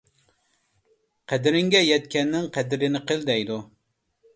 قەدرىڭگە يەتكەننىڭ قەدرىنى قىل دەيدۇ.